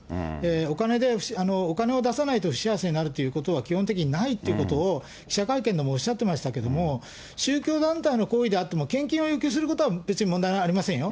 お金で、お金を出さないと不幸せになるということは基本的にないっていうことを記者会見でもおっしゃってましたけども、宗教団体の行為であっても、献金を要求することは別に問題ありませんよ。